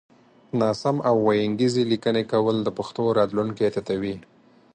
ناسم او وينگيزې ليکنې کول د پښتو راتلونکی تتوي